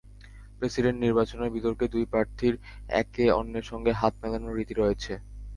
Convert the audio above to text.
President নির্বাচনের বিতর্কে দুই প্রার্থীর একে অন্যের সঙ্গে হাত মেলানোর রীতি রয়েছে।